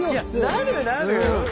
なるなる！